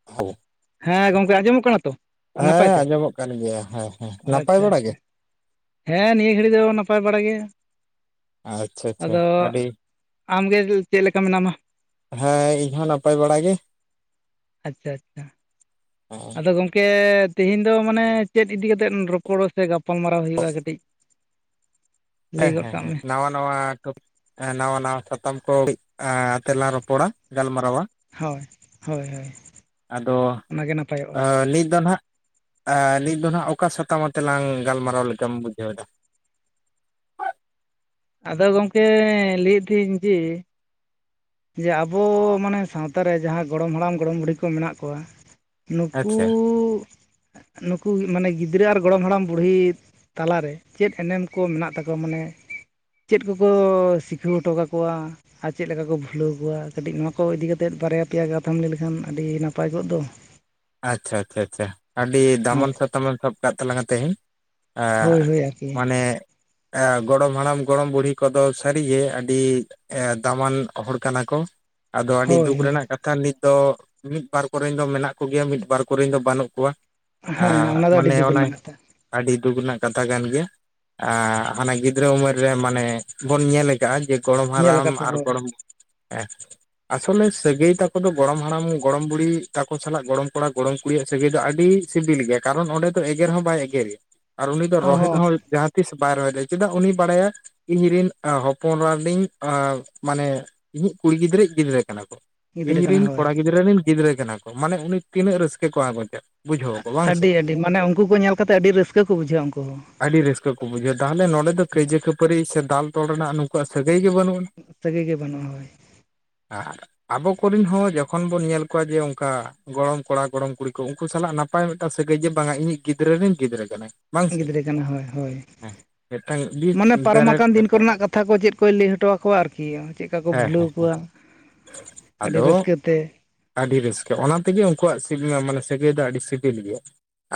[unintelligible] ᱦᱮᱸ ᱜᱚᱝᱠᱮ ᱟᱸᱡᱚᱢᱚᱜ ᱠᱟᱱᱟ ᱛᱚ ᱱᱟᱯᱟᱭ ᱦᱮᱸ ᱛᱮ ᱟᱸᱡᱚᱢᱚᱜ ᱠᱟᱱ ᱜᱮᱭᱟ ᱦᱮᱸ ᱦᱮᱸ ᱱᱟᱯᱟᱭ ᱟᱪᱪᱷᱟ ᱵᱟᱲᱟ ᱜᱮ ᱟᱪᱪᱷᱟ ᱦᱮᱸ ᱱᱤᱭᱟᱹ ᱜᱷᱟᱹᱲᱤᱡ ᱫᱚ ᱱᱟᱯᱟᱭ ᱵᱟᱲᱟ ᱜᱮ ᱟᱪᱪᱷᱟ ᱟᱪᱪᱷᱟ ᱟᱹᱰᱤ [unintelligible] ᱟᱢ ᱜᱮ ᱪᱮᱫ ᱞᱮᱠᱟ ᱢᱮᱱᱟᱢᱟ ᱦᱮᱸ ᱤᱧ ᱦᱚᱸ ᱱᱟᱯᱟᱭ ᱵᱟᱲᱟ ᱜᱮ ᱟᱪᱪᱷᱟ ᱟᱪᱪᱷᱟ ᱟᱪᱪᱷᱟ [inaudible] ᱜᱚᱝᱠᱮ ᱛᱤᱦᱮᱤᱧ ᱫᱚ ᱢᱟᱱᱮ ᱪᱮᱫ ᱤᱫᱤ ᱠᱟᱛᱮᱫ ᱨᱚᱯᱚᱲ ᱥᱮ ᱜᱟᱯᱟᱞ ᱢᱟᱨᱟᱨᱟᱣ ᱦᱩᱭᱩᱜᱼᱟ ᱠᱟᱹᱴᱤᱡ ᱞᱟᱹᱭ ᱦᱮᱸ ᱜᱚᱫ ᱦᱮᱸ ᱠᱟᱜ ᱦᱮᱸ ᱢᱮ ᱱᱟᱣᱟ ᱱᱟᱣᱟ ᱴᱚᱯᱤᱠ ᱱᱟᱣᱟ ᱱᱟᱣᱟ ᱥᱟᱛᱟᱢ ᱠᱚ ᱮᱻ ᱛᱮᱞᱟᱝ ᱨᱚᱯᱚᱲᱟ ᱜᱟᱞᱢᱟᱨᱟᱣᱟ ᱦᱳᱭ ᱦᱳᱭ ᱦᱳᱭ ᱟᱫᱚ ᱚᱱᱟᱜᱮ ᱱᱟᱯᱟᱭᱚᱜᱼᱟ ᱱᱤᱛ ᱫᱚ ᱦᱟᱸᱜ ᱮᱻ ᱱᱤᱛ ᱫᱚ ᱦᱟᱸᱜ ᱚᱠᱟ ᱥᱟᱛᱟᱢ ᱟᱛᱮᱞᱟᱝ ᱜᱟᱞᱢᱟᱨᱟᱣ ᱞᱮᱠᱟᱢ ᱵᱩᱡᱷᱟᱹᱣ ᱮᱫᱟ ᱟᱫᱚ ᱜᱚᱝᱠᱮ ᱞᱟᱹᱭᱮᱫ ᱛᱟᱦᱮᱹᱧ ᱡᱮ ᱡᱮ ᱟᱵᱚ ᱢᱟᱱᱮ ᱥᱟᱶᱛᱟ ᱨᱮ ᱡᱟᱦᱟᱸ ᱜᱚᱲᱚᱢ ᱦᱟᱲᱟᱢ ᱜᱚᱲᱚᱢ ᱵᱩᱰᱦᱤ ᱠᱚ ᱢᱮᱱᱟᱜ ᱠᱚᱣᱟ ᱱᱩᱠᱩᱻ ᱟᱪᱪᱷᱟ ᱱᱩᱠᱩ ᱢᱟᱱᱮ ᱜᱤᱫᱽᱨᱟᱹ ᱟᱨ ᱜᱚᱲᱚᱢ ᱦᱟᱲᱟᱢ ᱵᱩᱲᱦᱤ ᱛᱟᱞᱟᱨᱮ ᱪᱮᱫ ᱮᱱᱮᱢ ᱠᱚ ᱢᱮᱱᱟᱜ ᱛᱟᱠᱚᱣᱟ ᱢᱟᱱᱮ ᱪᱮᱫ ᱠᱚᱠᱚ ᱥᱤᱠᱷᱟᱹᱣ ᱦᱚᱴᱚ ᱠᱟᱠᱚᱣᱟ ᱟᱨ ᱪᱮᱫ ᱞᱮᱠᱟ ᱠᱚ ᱠᱷᱩᱞᱟᱹᱣ ᱠᱚᱣᱟ ᱠᱟᱹᱴᱤᱡ ᱱᱚᱣᱟ ᱠᱚ ᱤᱫᱤ ᱠᱟᱛᱮᱫ ᱵᱟᱨᱭᱟ ᱯᱮᱭᱟ ᱠᱟᱛᱷᱟᱢ ᱞᱟᱹᱭ ᱞᱮᱠᱷᱟᱱ ᱟᱹᱰᱤ ᱱᱟᱯᱟᱭ ᱠᱚᱜ ᱫᱚ ᱟᱪᱷᱟ ᱟᱪᱷᱟ ᱟᱪᱷᱟ ᱟᱹᱰᱤ ᱦᱳᱭ ᱫᱟᱢᱚᱱ ᱥᱟᱛᱟᱢᱮ ᱮᱢ ᱥᱟᱵ ᱠᱟᱜ ᱛᱟᱞᱟᱝᱟ ᱛᱮᱦᱮᱧ ᱟ ᱦᱳᱭ ᱦᱳᱭ ᱟᱨᱠᱤ ᱢᱟᱱᱮ ᱮ ᱜᱚᱲᱚᱢ ᱦᱟᱲᱟᱢ ᱜᱚᱲᱚᱢ ᱵᱩᱲᱦᱤ ᱠᱚᱫᱚ ᱥᱟᱹᱨᱤᱜᱮ ᱟᱹᱰᱤ ᱫᱟᱢᱟᱱ ᱦᱚᱲ ᱠᱟᱱᱟ ᱠᱚ ᱟᱫᱚ ᱟᱹᱰᱤ ᱦᱳᱭ ᱫᱩᱠ ᱦᱳᱭ ᱨᱮᱱᱟᱜ ᱠᱟᱛᱷᱟ ᱱᱤᱛ ᱫᱚ ᱢᱤᱫᱵᱟᱨ ᱠᱚᱨᱮᱱ ᱫᱚ ᱢᱮᱱᱟᱜ ᱠᱚᱣᱟ ᱠᱚᱜᱮᱭᱟ ᱢᱤᱫ ᱵᱟᱨ ᱠᱚᱨᱮᱱ ᱫᱚ ᱵᱟᱹᱱᱩᱜ ᱠᱚᱣᱟ ᱦᱮᱸ ᱚᱱᱟ ᱫᱚ ᱟᱹᱰᱤ ᱢᱟᱱᱮ ᱫᱩᱠ ᱚᱱᱟ ᱨᱮᱱᱟᱜ ᱠᱟᱛᱷᱟ ᱟᱹᱰᱤ ᱫᱩᱠ ᱨᱮᱱᱟᱜ ᱠᱟᱛᱷᱟ ᱠᱟᱱ ᱜᱮᱭᱟ ᱮᱻ ᱦᱟᱱᱮ ᱜᱤᱫᱽᱨᱟᱹ ᱩᱢᱮᱨ ᱨᱮ ᱢᱟᱱᱮ ᱵᱚᱱ ᱧᱮᱞ ᱟᱠᱟᱫᱼᱟ ᱡᱮ ᱜᱚᱲᱚᱢ ᱧᱮᱞ ᱦᱟᱲᱟᱢ ᱟᱠᱟᱫ ᱠᱚᱣᱟ ᱟᱨ ᱦᱳᱭ ᱜᱚᱲᱚᱢ ᱦᱮᱸ ᱟᱥᱚᱞᱮ ᱥᱟᱹᱜᱟᱹᱭ ᱛᱟᱠᱚ ᱫᱚ ᱜᱚᱲᱚᱢ ᱦᱟᱲᱟᱢ ᱜᱚᱲᱚᱢ ᱵᱩᱲᱦᱤ ᱛᱟᱠᱚ ᱥᱟᱞᱟᱜ ᱜᱚᱲᱚᱢ ᱠᱚᱲᱟ ᱜᱚᱲᱚᱢ ᱠᱩᱲᱤᱭᱟᱜ ᱥᱟᱹᱜᱟᱹᱭ ᱫᱚ ᱟᱹᱰᱤ ᱥᱤᱵᱤᱞ ᱜᱮᱭᱟ ᱠᱟᱨᱚᱱ ᱚᱸᱰᱮ ᱫᱚ ᱮᱜᱮᱨ ᱦᱚᱸ ᱵᱟᱭ ᱮᱜᱮᱨᱮᱭᱟ ᱟᱨ ᱩᱱᱤ ᱫᱚ ᱨᱳᱦᱮᱫ ᱦᱚᱸ ᱡᱟᱦᱟᱸ ᱛᱤᱥ ᱵᱟᱭ ᱨᱚᱦᱮᱫᱟ ᱪᱮᱫᱟᱜ ᱩᱱᱤᱭ ᱵᱟᱲᱟᱭᱟᱭ ᱤᱧ ᱨᱮᱱ ᱚ ᱦᱚᱯᱚᱱᱨᱟᱧ ᱚ ᱢᱟᱱᱮ ᱤᱧᱤᱡ ᱠᱩᱲᱤ ᱜᱤᱫᱽᱨᱟᱹᱤᱡ ᱜᱤᱫᱽᱨᱟᱹ ᱠᱟᱱᱟ ᱠᱚ ᱜᱤᱫᱽᱨᱟᱹ ᱤᱧ ᱠᱟᱱᱟ ᱨᱤᱱ ᱦᱳᱭ ᱠᱚᱲᱟ ᱜᱤᱫᱽᱨᱟᱹ ᱨᱤᱱ ᱜᱤᱫᱽᱨᱟᱹ ᱠᱟᱱᱟ ᱠᱚ ᱢᱟᱱᱮ ᱩᱱᱤ ᱛᱤᱱᱟᱹᱜ ᱨᱟᱹᱥᱠᱟᱹ ᱠᱚ ᱟᱜᱚᱸᱡᱟ ᱟᱹᱰᱤ ᱟᱹᱰᱤ ᱢᱟᱱᱮ ᱩᱱᱠᱩ ᱠᱚ ᱧᱮᱞ ᱠᱟᱛᱮᱜ ᱟᱹᱰᱤ ᱨᱟᱹᱥᱠᱟᱹ ᱠᱚ ᱵᱩᱡᱷᱟᱹᱣᱟ ᱩᱱᱠᱩ ᱦᱚᱸ ᱟᱹᱰᱤ ᱨᱟᱹᱥᱠᱟᱹ ᱠᱚ ᱵᱩᱡᱷᱟᱹᱣᱟ ᱛᱟᱦᱚᱞᱮ ᱱᱚᱸᱰᱮ ᱫᱚ ᱠᱟᱹᱭᱡᱟᱹ ᱠᱷᱟᱹᱯᱟᱹᱨᱤ ᱥᱮ ᱫᱟᱞ ᱛᱚᱞ ᱨᱮᱱᱟᱜ ᱱᱩᱠᱩᱣᱟᱜ ᱥᱟᱹᱜᱟᱹᱭ ᱜᱮ ᱵᱟᱹᱱᱩᱜ ᱟᱱ ᱥᱟᱹᱜᱟᱹᱤ ᱜᱮ ᱵᱟᱹᱱᱩᱜᱼᱟ ᱦᱳᱭ ᱟᱨ ᱟᱵᱚ ᱠᱚᱨᱮᱤᱱ ᱦᱚᱸ ᱡᱚᱠᱷᱚᱱ ᱵᱚᱱ ᱧᱮᱞ ᱠᱚᱣᱟ ᱡᱮ ᱚᱱᱠᱟ ᱜᱚᱲᱚᱢ ᱠᱚᱲᱟ ᱜᱚᱲᱚᱢ ᱠᱩᱲᱤ ᱠᱚ ᱩᱱᱠᱩ ᱥᱟᱞᱟᱜ ᱱᱟᱯᱟᱭ ᱢᱤᱫᱴᱟᱝ ᱥᱟᱹᱜᱟᱹᱭ ᱡᱮ ᱵᱟᱝᱟ ᱤᱧᱤᱡ ᱜᱤᱫᱽᱨᱟᱹ ᱨᱮᱱ ᱜᱤᱫᱽᱨᱟᱹ ᱠᱟᱱᱟᱭ ᱵᱟᱝ ᱥᱮ ᱜᱤᱫᱽᱨᱟᱹ ᱠᱟᱱᱟ ᱦᱳᱭ ᱦᱳᱭ ᱦᱮᱸ ᱢᱤᱫᱴᱟᱝ ᱵᱤᱥ ᱢᱟᱱᱮ ᱯᱟᱨᱚᱢ ᱵᱮᱨᱮᱴ ᱟᱠᱟᱱ ᱫᱤᱱ ᱵᱮᱯᱟᱨ ᱠᱚᱨᱮᱱᱟᱜ ᱠᱟᱛᱷᱟ ᱠᱟᱛᱷᱟ ᱠᱚ ᱪᱮᱫ ᱠᱚᱭ ᱞᱟᱹᱭ ᱦᱚᱴᱚ ᱟᱠᱚᱣᱟ ᱟᱨᱠᱤ ᱪᱮᱫ ᱠᱟ ᱠᱚ ᱦᱮᱸ ᱦᱮᱸ ᱵᱷᱩᱞᱟᱹᱣ ᱠᱚᱣᱟ ᱟᱹᱰᱤ ᱟᱫᱚ ᱨᱟᱹᱥᱠᱟᱹᱛᱮ ᱟᱹᱰᱤ ᱨᱟᱥᱠᱟᱹ ᱚᱱᱟ ᱛᱮᱜᱮ ᱩᱱᱠᱩᱣᱟᱜᱥᱤᱵᱤ ᱢᱟᱱᱮ ᱥᱟᱹᱜᱟᱹᱭ ᱫᱚ ᱟᱹᱰᱤ ᱥᱤᱵᱤᱞ ᱜᱮᱭᱟ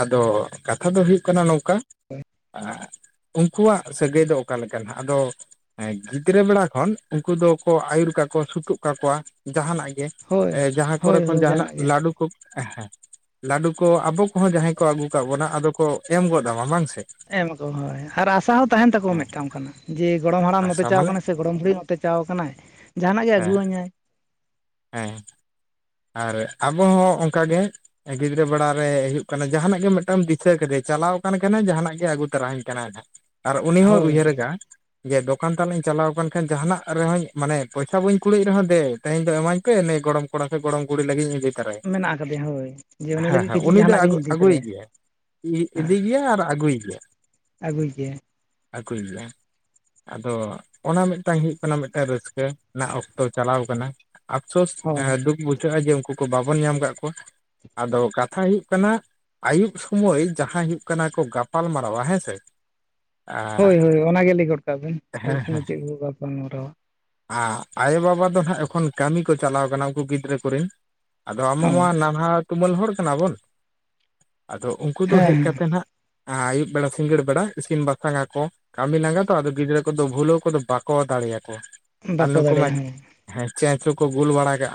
ᱟᱫᱚ ᱠᱟᱛᱷᱟ ᱫᱚ ᱦᱩᱭᱩᱜ ᱠᱟᱱᱟ ᱱᱚᱝᱠᱟ ᱚᱠᱟ ᱩᱱᱠᱩᱣᱟᱜ ᱥᱟᱹᱜᱟᱹᱭ ᱫᱚ ᱚᱠᱟ ᱞᱮᱠᱟᱦᱟᱸᱜ ᱟᱫᱚ ᱦᱮᱸ ᱜᱤᱫᱽᱨᱟᱹ ᱵᱮᱲᱟ ᱠᱷᱚᱱ ᱩᱱᱠᱩ ᱫᱚᱠᱚ ᱟᱹᱭᱩᱨ ᱠᱟᱠᱚ ᱥᱩᱛᱩᱜ ᱠᱟᱠᱚᱣᱟ ᱡᱟᱦᱟᱱᱟᱜ ᱜᱮ ᱦᱳᱭ ᱡᱟᱦᱟᱸ ᱠᱚᱨᱮ ᱦᱳᱭ ᱠᱷᱚᱱ ᱦᱳᱭ ᱡᱟᱦᱟᱱᱟᱜ ᱜᱮ ᱞᱟᱹᱰᱩ ᱠᱚ ᱞᱟᱹᱰᱩ ᱠᱚ ᱟᱵᱚ ᱠᱚᱦᱚᱸ ᱡᱟᱦᱟᱸᱭ ᱠᱚ ᱟᱹᱜᱩ ᱠᱟ ᱵᱚᱱᱟ ᱟᱫᱚ ᱠᱚ ᱮᱢ ᱜᱚᱫᱟᱢᱟ ᱵᱟᱝᱥᱮ ᱮᱢᱟᱠᱚ ᱦᱳᱭ ᱟᱨ ᱟᱥᱟ ᱦᱚᱸ ᱛᱟᱦᱮᱱ ᱛᱟᱠᱚᱣᱟ ᱢᱤᱫᱴᱟᱝ ᱚᱱᱠᱟᱱᱟ ᱡᱮ ᱜᱚᱲᱚᱢ ᱦᱟᱲᱟᱢ ᱱᱚᱛᱮ ᱟᱥᱟ ᱪᱟᱣ ᱢᱟᱱᱮ ᱠᱟᱱᱟ ᱥᱮ ᱜᱚᱲᱚᱢ ᱵᱩᱲᱦᱤ ᱴᱮᱪᱟᱣ ᱟᱠᱟᱱᱟᱭ ᱡᱟᱦᱟᱱᱟᱜ ᱜᱮᱭ ᱦᱮᱸ ᱟᱹᱜᱩᱣᱟᱹᱧᱟᱭ ᱦᱮᱸ ᱟᱨ ᱟᱵᱚ ᱦᱚᱸ ᱚᱸᱠᱟᱜᱮ ᱜᱤᱫᱽᱨᱟᱹ ᱵᱮᱲᱟ ᱨᱮ ᱦᱳᱭᱳᱜ ᱠᱟᱱᱟ ᱡᱟᱦᱟᱸᱱᱟᱜ ᱜᱮ ᱢᱤᱫᱴᱟᱝ ᱫᱤᱥᱟᱹ ᱠᱟᱫᱮᱭᱟ ᱪᱟᱞᱟᱣ ᱠᱟᱱ ᱠᱷᱟᱱᱮ ᱡᱟᱦᱟᱸᱱᱟᱜ ᱜᱮ ᱟᱹᱜᱩ ᱛᱚᱨᱟ-ᱟᱹᱧ ᱠᱟᱱᱟ ᱟᱨ ᱩᱱᱤ ᱦᱚᱸᱭ ᱦᱳᱭ ᱩᱭᱦᱟᱹᱨᱠᱟᱼᱟ ᱡᱮ ᱫᱚᱠᱟᱱ ᱛᱟᱱᱤᱡ ᱤᱧ ᱪᱟᱞᱟᱣ ᱟᱠᱟᱱ ᱠᱷᱟᱱ ᱡᱟᱦᱟᱱᱟᱜ ᱨᱮᱦᱚᱸᱧ ᱢᱟᱱᱮ ᱯᱚᱭᱥᱟ ᱵᱟᱹᱧ ᱠᱩᱲᱟᱮᱫ ᱨᱮᱦᱚᱸ ᱫᱮ ᱛᱮᱦᱮᱧ ᱫᱚ ᱮᱢᱟᱹᱧ ᱯᱮ ᱱᱮ ᱜᱚᱲᱚᱢ ᱠᱚᱲᱟ ᱥᱮ ᱜᱚᱲᱚᱢ ᱜᱩᱲᱤ ᱞᱟᱹᱜᱤᱫ ᱤᱧᱤᱫᱤ ᱢᱮᱱᱟᱜ ᱟᱠᱟᱫᱮᱭᱟ ᱦᱳᱭ ᱡᱮ ᱩᱱᱤ ᱦᱮᱸ ᱞᱟᱹᱜᱤᱫ ᱦᱮᱸ ᱠᱤᱪᱷᱩ ᱩᱱᱤ ᱫᱚᱭ ᱡᱟᱦᱟᱱᱟᱜ ᱟᱜᱩ ᱜᱤᱧ - ᱤᱫᱤ ᱟᱜᱩᱭᱮ ᱛᱚᱨᱟᱭᱟ ᱜᱮᱭᱟ ᱤᱫᱤ ᱦᱮᱸ ᱭᱮᱭᱟ ᱟᱨ ᱟᱹᱜᱩᱭᱟ ᱟᱹᱜᱩᱭ ᱜᱮᱭᱟ ᱟᱜᱩᱭᱟ ᱟᱫᱚ ᱚᱱᱟ ᱢᱤᱫ ᱴᱟᱝ ᱦᱩᱭᱩᱜ ᱠᱟᱱᱟ ᱢᱤᱫ ᱴᱟᱝ ᱨᱟᱹᱥᱠᱟᱹ ᱚᱠᱛᱚ ᱪᱟᱞᱟᱣ ᱟᱠᱟᱱᱟ ᱟᱯᱥᱳᱥ ᱦᱳᱭ ᱫᱩᱠ ᱵᱩᱡᱷᱟᱹᱜᱼᱟ ᱡᱮ ᱩᱱᱠᱩ ᱠᱚ ᱵᱟᱵᱚᱱ ᱧᱟᱢ ᱟᱠᱟᱫ ᱠᱚᱣᱟ ᱟᱫᱚ ᱠᱟᱛᱷᱟ ᱦᱩᱭᱩᱜ ᱠᱟᱱᱟ᱾ ᱟᱭᱩᱵ ᱥᱚᱢᱚᱭ ᱡᱟᱦᱟᱸ ᱦᱩᱭᱩᱜ ᱠᱟᱱᱟ ᱠᱚ ᱜᱟᱯᱟᱞ ᱢᱟᱨᱟᱣᱟ ᱦᱮᱸᱥᱮ ᱦᱳᱭ ᱦᱳᱭ ᱚᱱᱟᱜᱮ ᱜᱮ ᱞᱟᱹᱭ ᱜᱚᱫ ᱠᱟᱜ ᱵᱤᱱ ᱟᱭᱩᱵ ᱥᱚᱢᱮ ᱪᱮᱫ ᱵᱩ ᱜᱟᱞᱟᱞ ᱢᱟᱨᱟᱣᱟ ᱟᱨ ᱟᱭᱳᱼᱵᱟᱵᱟ ᱫᱚ ᱦᱟᱸᱜ ᱮᱠᱷᱚᱱ ᱠᱟᱹᱢᱤ ᱠᱚ ᱪᱟᱞᱟᱣ ᱠᱟᱱᱟ ᱩᱱᱠᱩ ᱜᱤᱫᱽᱨᱟᱹ ᱠᱚᱨᱮᱱ ᱟᱫᱚ ᱟᱢ ᱦᱚᱸ [unintelligible] ᱱᱟᱞᱦᱟ ᱛᱩᱢᱟᱹᱞ ᱦᱚᱲ ᱠᱟᱱᱟ ᱵᱚᱱ ᱟᱫᱚ ᱩᱱᱠᱩ ᱫᱚ ᱦᱮᱡ ᱦᱮᱸ ᱠᱟᱛᱮ ᱦᱟᱸᱜ ᱟᱹᱭᱩᱵ ᱵᱮᱲᱟ ᱥᱤᱸᱜᱟᱹᱲ ᱵᱮᱲᱟ ᱤᱥᱤᱱ ᱵᱟᱥᱟᱝᱟ ᱠᱚ ᱠᱟᱹᱢᱤ ᱞᱟᱸᱜᱟ ᱛᱚ ᱟᱫᱚ ᱜᱤᱫᱽᱨᱟᱹ ᱠᱚᱫᱚ ᱵᱷᱩᱞᱟᱹᱣ ᱠᱚᱫᱚ ᱵᱟᱠᱚ ᱫᱟᱲᱮᱭᱟᱠᱚ ᱟᱨ ᱵᱟᱠᱚ ᱱᱩᱠᱩ ᱢᱟ ᱫᱟᱲᱮᱭᱟᱜᱼᱟ ᱦᱮᱸ ᱦᱮᱸ ᱪᱮᱧᱪᱩᱠᱚ ᱜᱩᱞ ᱵᱟᱲᱟ ᱠᱟᱜᱼᱟ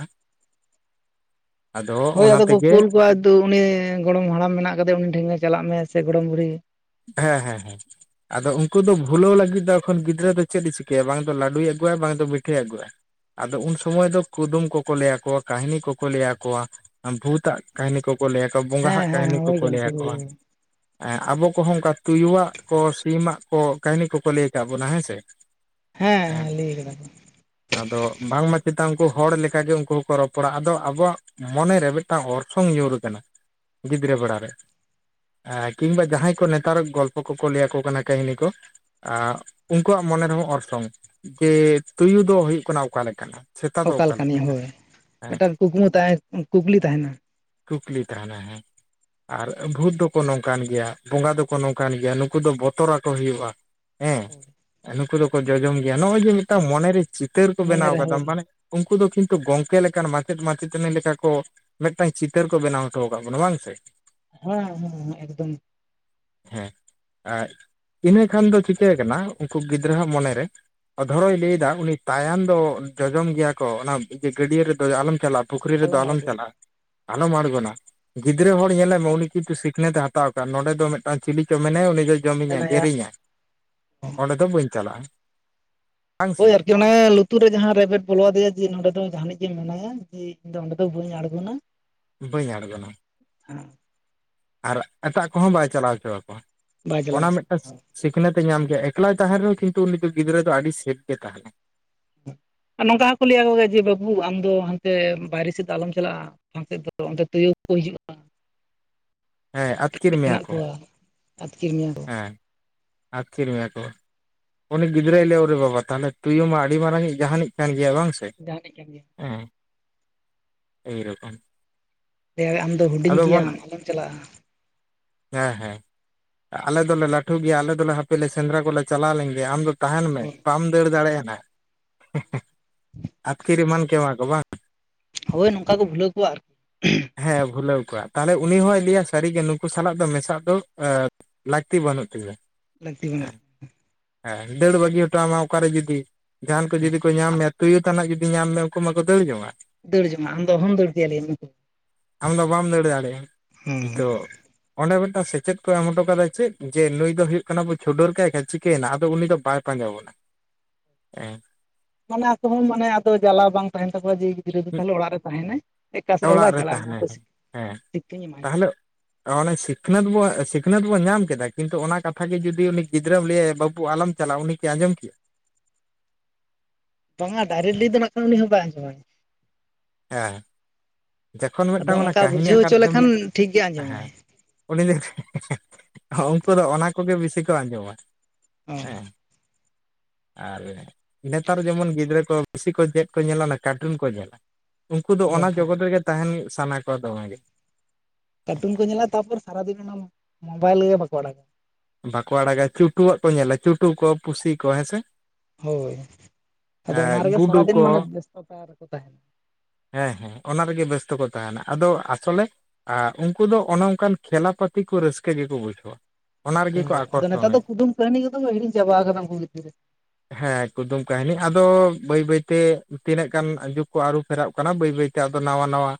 ᱦᱳᱭ ᱚᱱᱟ ᱟᱫᱚ ᱠᱚ ᱛᱮᱜᱮ ᱠᱩᱞ ᱠᱚᱣᱟ ᱫᱩ ᱩᱱᱤ ᱜᱚᱲᱚᱢ ᱦᱟᱲᱟᱢ ᱢᱮᱱᱟᱜ ᱠᱟᱫᱮᱭᱟ ᱩᱱᱤ ᱴᱷᱮᱱ ᱪᱟᱞᱟᱜ ᱢᱮ ᱥᱮ ᱜᱚᱲᱚᱢ ᱵᱩᱲᱦᱤ ᱦᱮᱸ ᱦᱮᱸ ᱦᱮᱸ ᱟᱫᱚ ᱩᱱᱠᱩ ᱫᱚ ᱵᱷᱩᱞᱟᱹᱣ ᱞᱟᱹᱜᱤᱫ ᱫᱚ ᱮᱠᱷᱚᱱ ᱜᱤᱫᱽᱨᱟᱹ ᱫᱚ ᱪᱮᱫ ᱮ ᱪᱤᱠᱟᱹᱭᱟ ᱵᱟᱝ ᱫᱚ ᱞᱟᱹᱰᱩᱭ ᱟᱹᱜᱩᱭᱟ ᱵᱟᱝ ᱫᱚ ᱯᱤᱴᱷᱟᱹᱭ ᱟᱹᱜᱩᱣᱟ ᱟᱫᱚ ᱩᱱ ᱥᱚᱢᱚᱭ ᱫᱚ ᱠᱩᱫᱩᱢ ᱠᱚᱠᱚ ᱞᱟᱹᱭᱟᱠᱳᱣᱟ ᱠᱟᱹᱦᱱᱤ ᱠᱚᱠᱚ ᱞᱟᱹᱭᱟᱠᱳᱣᱟ ᱵᱷᱩᱛ ᱟᱜ ᱠᱟᱹᱦᱱᱤ ᱠᱚᱠᱚ ᱞᱟᱹᱭᱟᱠᱳᱣᱟ ᱦᱮᱸ ᱵᱚᱸᱜᱟᱣᱟᱜ ᱦᱮᱸ ᱠᱟᱹᱦᱱᱤ ᱦᱳᱭ ᱠᱚᱠᱚ ᱜᱚᱢᱠᱮ ᱦᱳᱭ ᱞᱟᱹᱭᱟᱠᱳᱣᱟ ᱦᱳᱭ ᱮᱸ ᱟᱵᱚ ᱟᱠᱚ ᱦᱚᱸ ᱚᱱᱠᱟ ᱛᱩᱭᱩᱣᱟᱜ ᱠᱚ ᱥᱤᱢᱟᱜ ᱠᱚ ᱠᱟᱹᱦᱤᱱᱤ ᱠᱚᱠᱚ ᱞᱟᱹᱭ ᱟᱠᱟᱫ ᱵᱚᱱᱟ ᱦᱮᱸ ᱥᱮ ᱦᱮᱸ ᱟᱨ ᱦᱮᱸ ᱞᱟᱹᱭ ᱠᱟᱫᱟ ᱠᱚ ᱟᱫᱚ ᱵᱟᱝᱢᱟ ᱪᱮᱛᱟᱱ ᱩᱱᱠᱩ ᱦᱚᱲ ᱞᱮᱠᱟᱜ ᱜᱮ ᱩᱱᱠᱩ ᱦᱚᱸᱠᱚ ᱨᱚᱯᱚᱲᱟ ᱟᱫᱚ ᱟᱵᱚᱣᱟᱜ ᱢᱚᱱᱮᱨᱮ ᱢᱤᱫ ᱴᱟᱝ ᱚᱨᱥᱚᱝ ᱧᱩᱨ ᱠᱟᱱᱟ ᱜᱤᱫᱽᱨᱟᱹ ᱵᱮᱲᱟ ᱨᱮ ᱠᱤᱢᱵᱟ ᱡᱟᱦᱟᱸᱭ ᱠᱚ ᱱᱮᱛᱟᱨ ᱜᱚᱞᱯᱚ ᱠᱚᱠᱚ ᱞᱟᱹᱭᱟᱠᱚ ᱠᱟᱱᱟ ᱠᱟᱹᱦᱱᱤ ᱠᱚ [unintelligible] ᱩᱱᱠᱩᱣᱟᱜ ᱢᱚᱱᱮ ᱨᱮᱦᱚᱸ ᱚᱨᱥᱚᱝ ᱡᱮ ᱛᱩᱭᱩ ᱫᱚ ᱦᱩᱭᱩᱜ ᱠᱟᱱᱟ ᱚᱠᱟᱮ ᱞᱮᱠᱟᱱ ᱦᱟᱸ ᱚᱠᱟᱞ ᱞᱮᱠᱟᱱ ᱱᱤᱭᱟᱹ ᱦᱳᱭ ᱢᱤᱫᱴᱟᱝ ᱠᱩᱠᱢᱩ [unintelligible] ᱠᱩᱠᱞᱤ ᱛᱟᱦᱮᱱᱟ ᱠᱩᱠᱞᱤ ᱛᱟᱦᱮᱱᱟ ᱦᱮᱸ ᱟᱨ ᱵᱷᱩᱛ ᱫᱚᱠᱚ ᱱᱚᱝᱠᱟᱱ ᱜᱮᱭᱟ ᱵᱚᱸᱜᱟ ᱫᱚᱠᱚ ᱱᱚᱝᱠᱟᱱ ᱜᱮᱭᱟ ᱱᱩᱠᱩ ᱫᱚ ᱵᱚᱛᱚᱨ ᱟᱠᱚ ᱦᱩᱭᱩᱜᱼᱟ ᱦᱮᱸ ᱱᱩᱠᱩ ᱫᱚᱠᱚ ᱡᱚᱡᱚᱢ ᱜᱮᱭᱟ ᱱᱚᱜᱼᱚᱭ ᱡᱮ ᱢᱤᱫ ᱴᱟᱝ ᱢᱚᱱᱮᱨᱮ ᱪᱤᱛᱟᱹᱨ ᱠᱚ ᱵᱮᱱᱟᱣ ᱢᱚᱱᱮᱨᱮ ᱠᱟᱫᱟ ᱦᱳᱭ ᱢᱟᱱᱮ ᱩᱱᱠᱩ ᱫᱚ ᱠᱤᱱᱛᱩ ᱜᱚᱝᱠᱮ ᱞᱮᱠᱟᱱ ᱢᱟᱪᱮᱫ ᱢᱟᱪᱮᱛᱟᱹᱱᱤ ᱞᱮᱠᱟ ᱠᱚ ᱢᱤᱫᱴᱟᱝ ᱪᱤᱛᱟᱹᱨ ᱠᱚ ᱵᱮᱱᱟᱣ ᱦᱚᱴᱚ ᱟᱠᱟᱫ ᱵᱚᱱᱟ ᱵᱟᱝ ᱥᱮ ᱦᱮᱸ ᱦᱮᱸ ᱮᱠᱫᱚᱢ ᱦᱮᱸ ᱟᱨ ᱤᱱᱟᱹ ᱠᱷᱟᱱ ᱫᱚ ᱪᱤᱠᱟᱹ ᱠᱟᱱᱟ ᱩᱱᱠᱩ ᱜᱤᱫᱽᱨᱟᱹᱣᱟᱜ ᱢᱚᱱᱮᱨᱮ ᱚᱫᱚᱨᱚᱭ ᱞᱟᱹᱭᱮ ᱫᱟ ᱩᱱᱤ ᱛᱟᱭᱟᱱ ᱫᱚ ᱡᱚᱡᱚᱢ ᱜᱮᱭᱟ ᱠᱚ ᱚᱱᱟ ᱜᱟᱹᱰᱭᱟᱹ ᱨᱮᱫᱚ ᱟᱞᱚᱢ ᱪᱟᱞᱟᱜ ᱯᱩᱠᱷᱨᱤ ᱨᱮᱫᱚ ᱟᱞᱚᱢ ᱪᱟᱞᱟᱜᱼᱟ ᱟᱞᱚᱢ ᱟᱬᱜᱚᱱᱟ ᱜᱤᱫᱽᱨᱟᱹ ᱦᱚᱲ ᱧᱮᱞᱮ ᱢᱮ ᱩᱱᱤ ᱠᱤᱱᱛᱩ ᱥᱤᱠᱷᱱᱟᱹᱛᱮ ᱦᱟᱛᱟᱣ ᱱᱚᱸᱰᱮ ᱫᱚ ᱢᱤᱫᱴᱟᱝ ᱪᱤᱞᱤ ᱪᱚ ᱢᱮᱱᱟᱭᱟ ᱩᱱᱤ ᱫᱚᱚᱭ ᱡᱚᱢᱤᱧᱟᱭ ᱢᱮᱱᱟᱭᱟ ᱜᱮᱨᱮᱧᱟ ᱚᱸᱰᱮ ᱫᱚ ᱵᱟᱹᱧ ᱪᱟᱞᱟᱜᱼᱟ᱾ ᱵᱟᱝ ᱥᱮ ᱦᱳᱭ ᱟᱨᱠᱤ ᱚᱱᱟ ᱞᱩᱛᱩᱨ ᱨᱮ ᱡᱟᱦᱟᱸ ᱨᱮᱵᱮᱴ ᱵᱚᱞᱚ ᱟᱫᱮᱭᱟ ᱡᱮ ᱱᱚᱰᱮ ᱫᱚ ᱡᱟᱦᱟ ᱱᱤᱡ ᱜᱮ ᱢᱮᱱᱟᱭᱟ ᱤᱧ ᱫᱚ ᱚᱸᱰᱮ ᱫᱚ ᱵᱟᱹᱧ ᱟᱬᱜᱚᱱᱟ ᱵᱟᱹᱧ ᱟᱬᱜᱚᱱᱟ [unintelligible] ᱟᱨ ᱮᱴᱟᱜ ᱠᱚᱦᱚᱸ ᱵᱟᱭ ᱪᱟᱞᱟᱣ ᱦᱚᱪᱚ ᱟᱠᱚᱣᱟ ᱵᱟᱭ ᱪᱟᱞᱟᱣ ᱚᱱᱟ ᱢᱤᱫ ᱴᱟᱝ ᱦᱚᱪᱚᱣᱟᱜᱼᱟ ᱥᱤᱠᱷᱱᱟᱹᱛ ᱮ ᱧᱟᱢ ᱜᱮᱭᱟ ᱮᱠᱞᱟᱭ ᱛᱟᱦᱮᱱ ᱨᱮᱦᱚᱸ ᱠᱤᱱᱛᱩ ᱩᱱᱤ ᱫᱚ ᱜᱤᱫᱽᱨᱟᱹ ᱫᱚ ᱟᱹᱰᱤ ᱥᱮᱯ ᱜᱮ ᱛᱟᱦᱮᱱᱟ ᱟᱨ ᱱᱚᱝᱠᱟ ᱦᱚᱸᱠᱚ ᱞᱟᱹᱭᱟ ᱡᱮ ᱵᱟᱹᱵᱩ ᱟᱢᱫᱚ ᱦᱟᱱᱛᱮ ᱵᱟᱭᱨᱮ ᱥᱮᱫ ᱫᱚ ᱟᱞᱚᱢ ᱪᱟᱞᱟᱜᱼᱟ [unintelligible] ᱥᱮᱫ ᱫᱚ ᱸᱰᱮ ᱛᱩᱭᱩ ᱠᱚ ᱦᱤᱡᱩᱜᱼᱟ [inaudible] ᱟᱹᱛᱠᱤᱨ [inaudible] ᱢᱮᱭᱟ ᱢᱮᱱᱟᱜ ᱠᱚ ᱠᱚᱣᱟ ᱟᱛᱠᱤᱨ ᱢᱮᱭᱟ ᱠᱚ ᱦᱮᱸ ᱟᱹᱛᱠᱤᱨ ᱢᱮᱭᱟ ᱠᱚ ᱩᱱᱤ ᱜᱤᱫᱽᱨᱟᱹᱭ ᱞᱮᱟᱹᱭᱟ ᱠᱳ ᱨᱮ ᱵᱟᱵᱟ ᱛᱟᱦᱚᱞᱮ ᱛᱩᱭᱩ ᱢᱟ ᱟᱹᱰᱤ ᱢᱟᱨᱟᱝᱤᱡ ᱡᱟᱦᱟᱱᱤᱡ ᱠᱟᱱ ᱜᱮᱭᱟ ᱵᱟᱝ ᱥᱮ ᱡᱟᱦᱮᱱᱮᱜ ᱠᱟᱱ ᱜᱮᱭᱟ ᱦᱮᱸ ᱮ ᱨᱚᱠᱚᱢ ᱫᱟᱹᱭ ᱟᱢ ᱫᱚ ᱦᱩᱰᱤᱧ ᱜᱮᱭᱟᱢ ᱟᱞᱚᱢ ᱪᱟᱞᱟᱜᱼᱟ ᱦᱮᱸ ᱦᱮᱸ ᱟᱞᱮ ᱫᱚᱞᱮ ᱞᱟᱹᱴᱩ ᱜᱮᱭᱟ ᱟᱞᱮ ᱫᱚᱞᱮ ᱦᱟᱯᱞᱮ ᱥᱮᱸᱫᱽᱨᱟ ᱠᱚᱞᱮ ᱪᱟᱞᱟᱣ ᱞᱮᱱ ᱜᱮ ᱟᱢ ᱫᱚ ᱛᱟᱦᱮᱱ ᱢᱮ ᱵᱟᱢ ᱫᱟᱹᱲ ᱫᱟᱲᱮᱭᱟᱜᱼᱟ ᱱᱟ- [unintelligible] ᱟᱛᱠᱤᱨ ᱮᱢᱟᱱ ᱠᱮᱣᱟᱠᱚ ᱵᱟᱝ ᱦᱳᱭ ᱱᱚᱝᱠᱟ ᱠᱚ ᱵᱩᱞᱟᱹᱣ ᱠᱚᱣᱟ ᱟᱨ [unintelligible] ᱦᱮᱸ ᱵᱩᱞᱟᱹᱣ ᱠᱚᱣᱟ ᱛᱟᱦᱚᱞᱮ ᱩᱱᱤ ᱦᱚᱸᱭ ᱞᱟᱹᱭᱟ ᱥᱟᱹᱨᱤᱜᱮ ᱱᱩᱠᱩ ᱥᱟᱞᱟᱜ ᱫᱚ ᱢᱮᱥᱟᱜ ᱫᱚ [unintelligible] ᱞᱟᱹᱠᱛᱤ ᱵᱟᱹᱱᱩᱜ ᱛᱤᱧᱟᱹ ᱞᱟᱹᱠᱛᱤ ᱦᱮᱸ ᱢᱮᱱᱟᱜᱼᱟ ᱦᱮᱸ ᱫᱟᱹᱲ ᱵᱟᱹᱜᱤ ᱦᱚᱴᱚᱣᱟᱢᱟ ᱚᱠᱟᱨᱮ ᱡᱩᱫᱤ ᱡᱟᱦᱟᱱ ᱠᱚ ᱡᱩᱫᱤ ᱠᱚ ᱧᱟᱢ ᱛᱟᱢᱟ ᱢᱮ ᱛᱩᱭᱩ ᱛᱟᱱᱟᱜ ᱡᱩᱫᱤ ᱧᱟᱢ ᱢᱮ ᱟᱹᱠᱩ ᱢᱟᱠᱚ ᱫᱟᱹᱲ ᱡᱚᱝᱟ ᱫᱟᱹᱲ ᱡᱚᱢᱟ ᱟᱢ ᱫᱚ ᱚᱦᱚᱢ ᱫᱟᱹᱲᱠᱮᱭᱟ [unintelligible] ᱟᱢ ᱫᱚ ᱵᱟᱢ ᱫᱟᱹᱲ ᱫᱟᱲᱮᱭᱟᱜᱼᱟ ᱦᱮᱸ ᱱᱤᱛᱚᱜ ᱚᱸᱰᱮ ᱢᱤᱫᱴᱟᱝ ᱥᱮᱪᱮᱫ ᱠᱚ ᱮᱢ ᱦᱚᱴᱚ ᱠᱟᱫᱟ ᱪᱮᱫ ᱡᱮ ᱱᱩᱭ ᱦᱳᱭᱳᱜ ᱠᱟᱱᱟ ᱵᱚᱱ ᱪᱷᱩᱰᱟᱹᱨ ᱠᱟᱭ ᱮᱟᱱ ᱪᱤᱠᱟᱹᱭᱮᱱᱟ ᱟᱫᱚ ᱩᱱᱤ ᱫᱚ ᱵᱟᱭ ᱯᱟᱸᱡᱟ [unintelligible] ᱦᱮᱸ ᱢᱟᱱᱮ ᱟᱠᱚ ᱦᱚᱸ ᱢᱟᱱᱮ ᱟᱫᱚ ᱡᱟᱞᱟᱣ ᱵᱟᱝ ᱛᱟᱦᱮᱱ ᱛᱟᱠᱚᱣᱟ ᱡᱮ ᱜᱤᱫᱽᱨᱟᱹ ᱫᱚ ᱢᱤᱫ ᱛᱟᱦᱚᱞᱮ ᱚᱲᱟᱜ ᱨᱮ ᱛᱟᱦᱮᱱᱟᱭ [unintelligible] ᱥᱮᱫ ᱦᱚᱸ ᱚᱲᱟᱜ ᱵᱟᱭ ᱨᱮ ᱪᱟᱞᱟᱜᱼᱟ ᱛᱟᱦᱮᱱᱟᱭ ᱚᱱᱟ ᱦᱮᱸ [unintelligible] ᱥᱤᱠᱟᱹᱧ ᱮᱢᱟᱭ ᱛᱟᱦᱚᱞᱮ ᱚᱱᱮ ᱥᱤᱠᱷᱱᱟᱹᱛ ᱵᱚ ᱥᱤᱠᱷᱱᱟᱹᱛ ᱵᱚ ᱧᱟᱢ ᱠᱮᱫᱟ ᱠᱤᱱᱛᱩ ᱚᱱᱟ ᱠᱟᱛᱷᱟ ᱜᱮ ᱡᱩᱫᱤ ᱩᱱᱤ ᱜᱤᱫᱽᱨᱟᱹᱢ ᱞᱟᱹᱭ ᱟᱭᱟ ᱵᱟᱹᱵᱩ ᱟᱞᱚᱢ ᱪᱟᱞᱟᱜ ᱩᱱᱤᱜ ᱟᱸᱡᱚᱢ ᱠᱮᱭᱟ ᱵᱟᱝᱼᱟ ᱰᱟᱭᱨᱮᱠᱴᱞᱤ ᱫᱚ ᱱᱟᱜ ᱠᱷᱟᱱ ᱩᱱᱤ ᱦᱚᱸ ᱵᱟᱭ ᱟᱸᱡᱚᱢᱟᱭ ᱦᱮᱸ ᱡᱚᱠᱷᱚᱱ ᱟᱫᱚ ᱢᱤᱫᱴᱟᱝ ᱚᱱᱟ ᱚᱱᱠᱟ ᱠᱟᱹᱦᱱᱤ ᱵᱩᱡᱷᱟᱹᱣ ᱟᱠᱟᱨ ᱦᱚᱪᱚ ᱛᱮᱢ ᱞᱮᱠᱷᱟᱱ ᱴᱷᱤᱠ ᱜᱮ ᱦᱮᱸ ᱟᱸᱡᱚᱢᱟᱭ ᱩᱱᱤ ᱡ ᱩᱱᱠᱩ ᱫᱚ ᱚᱱᱟ ᱠᱚᱜᱮ ᱵᱮᱥᱤ ᱠᱚ ᱟᱸᱡᱚᱢᱟ ᱚ ᱦᱮᱸ [inaudible] ᱟᱨ ᱱᱮᱛᱟᱨ ᱡᱮᱢᱚᱱ ᱜᱤᱫᱽᱨᱟᱹ ᱠᱚ ᱵᱤᱥᱤ ᱠᱚ ᱪᱮᱫ ᱠᱚ ᱧᱮᱞᱟ ᱚᱱᱟ ᱠᱟᱨᱴᱩᱱ ᱠᱚ ᱧᱮᱞᱟ ᱩᱱᱠᱩ ᱫᱚ ᱚᱱᱟ ᱦᱚᱸ ᱡᱚᱜᱚᱛ ᱨᱮᱜᱮ ᱛᱟᱦᱮᱱ ᱥᱟᱱᱟ ᱠᱚᱣᱟ ᱫᱚᱢᱮ ᱠᱟᱨᱴᱩᱱ ᱠᱚ ᱧᱮᱞᱟ ᱛᱟᱯᱚᱨ ᱥᱟᱨᱟᱫᱤᱱ ᱚᱱᱟ ᱢᱳᱵᱟᱭᱤᱞ ᱨᱮᱜᱮ ᱵᱟᱠᱚ ᱟᱲᱟᱜᱟ ᱵᱟᱸᱠᱩ ᱟᱲᱟᱜᱟ ᱪᱩᱴᱩᱣᱟᱜ ᱠᱚ ᱧᱮᱞᱟ ᱪᱩᱴᱩ ᱠᱚ ᱯᱩᱥᱤ ᱠᱚ ᱦᱮᱸ ᱥᱮ ᱦᱳᱭ ᱟᱫᱚ ᱚᱱᱟ ᱨᱮᱜᱮ ᱜᱩᱰᱩ ᱥᱟᱨᱟᱫᱤᱱ ᱠᱚ ᱢᱟᱱᱮ ᱵᱮᱥᱛᱚᱛᱟ ᱨᱮᱠᱚ ᱛᱟᱦᱮᱱᱟ ᱦᱮᱸ ᱦᱮᱸ ᱚᱱᱟ ᱨᱮᱜᱮ ᱵᱮᱥᱛᱚᱠᱚ ᱛᱟᱦᱮᱱᱟ ᱟᱫᱚ ᱟᱥᱚᱞᱮ ᱟᱨ ᱩᱱᱠᱩ ᱫᱚ ᱚᱱᱮ ᱚᱱᱠᱟᱱ ᱠᱷᱮᱞᱟ ᱯᱟᱹᱛᱤ ᱠᱚ ᱨᱟᱹᱥᱠᱟᱹ ᱜᱮᱠᱚ ᱵᱩᱡᱷᱟᱹᱣᱟ ᱚᱱᱟ ᱨᱮᱜᱮ ᱠᱚ ᱦᱳᱭ ᱟᱫᱚ ᱱᱮᱛᱟᱨ ᱟᱠᱚᱨᱥᱚᱱᱮ ᱫᱚ ᱠᱩᱫᱩᱢ ᱠᱟᱹᱦᱱᱤ ᱠᱚᱫᱚ ᱦᱤᱲᱤᱧ ᱪᱟᱵᱟ ᱟᱠᱟᱱᱟ ᱩᱱᱠᱩ [unintelligible] ᱦᱮᱸ ᱠᱩᱫᱩᱢ ᱠᱟᱹᱦᱱᱤ ᱟᱫᱚ ᱵᱟᱹᱭ ᱵᱟᱹᱭᱛᱮ ᱛᱤᱱᱟᱹᱜ ᱜᱟᱱ ᱡᱩᱜᱽ ᱠᱚ ᱟᱹᱨᱩ ᱯᱷᱮᱨᱚᱜ ᱠᱟᱱᱟ ᱵᱟᱹᱭ ᱵᱟᱹᱭᱛᱮ ᱟᱫᱚ ᱱᱟᱣᱟ ᱱᱟᱣᱟ